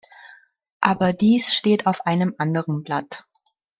Aber dies steht auf einem anderen Blatt.